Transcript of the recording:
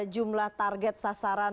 jumlah target sasaran